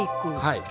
はい。